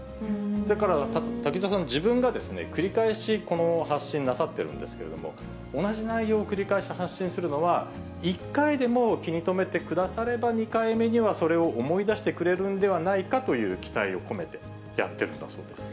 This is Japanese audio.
だから滝沢さん、自分が繰り返しこの発信をなさってるんですけれども、同じ内容を繰り返して発信するのは、１回でも気に留めてくだされば、２回目には、それを思い出してくれるんではないかという期待を込めてやってるんだそうです。